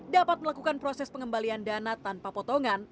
dapat melakukan proses pengembalian dana tanpa potongan